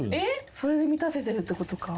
それで満たせてるってことか。